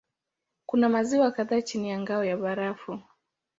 Kuna maziwa kadhaa chini ya ngao ya barafu.